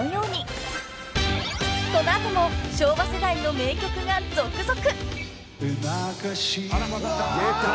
［この後も昭和世代の名曲が続々！］